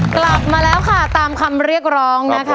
กลับมาแล้วค่ะตามคำเรียกร้องนะคะ